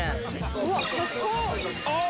うわっ賢っ！